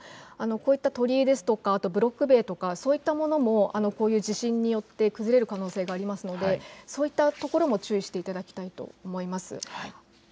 こういった鳥居ですとかブロック塀、そういったものもこういう地震によって崩れる可能性がありますのでそういったところも注意していただきたいと思います。